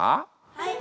はい。